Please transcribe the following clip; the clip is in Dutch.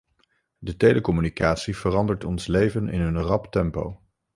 De telecommunicatie verandert ons leven in een rap tempo.